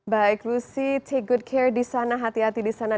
baik lucy take good care disana hati hati disana